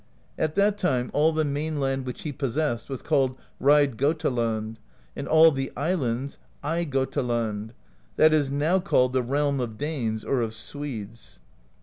At that time all the mainland which he pos sessed was called Reid Gotaland, and all the islands, Ey Gotaland: that is now called the Realm of Danes or of Swedes.